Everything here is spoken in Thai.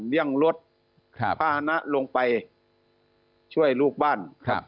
เลี่ยงรถผ้านะลงไปช่วยรูปบ้าน